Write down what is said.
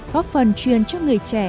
góp phần chuyên cho người trẻ